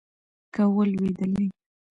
که ولوېدلې